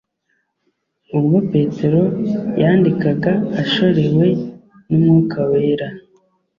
ubwo Petero yandikaga ashorewe n'Umwuka wera,